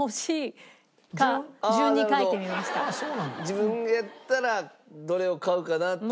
自分やったらどれを買うかなというので。